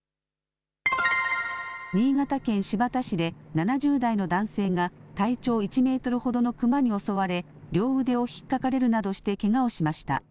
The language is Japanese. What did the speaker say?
新潟県新発田市で７０代の男性が体長１メートルほどの熊に襲われ、両腕をひっかかれるなどしてけがをしました。